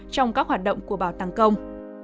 trong các hoạt động của bảo tàng công